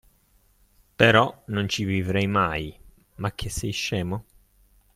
Però non ci vivrei mai, ma che sei scemo.